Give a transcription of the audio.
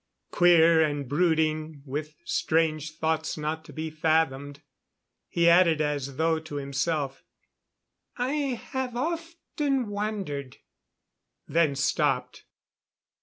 Queer and brooding, with strange thoughts not to be fathomed. He added as though to himself: "I have often wondered " Then stopped.